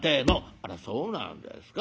「あらそうなんですか。